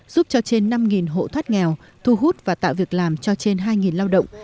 giúp cho trên năm hộ thoát nghèo thu hút và tạo việc làm cho trên hai lao động